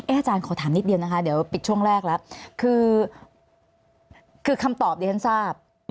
อาจารย์ขอถามนิดเดียวนะคะเดี๋ยวปิดช่วงแรกแล้วคือคำตอบดิฉันทราบ